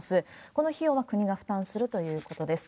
この費用は国が負担するということです。